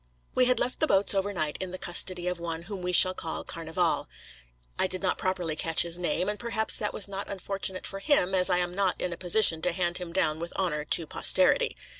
We had left the boats over night in the custody of one whom we shall call Carnival. I did not properly catch his name, and perhaps that was not unfortunate for him, as I am not in a position to hand him down with honour to posterity.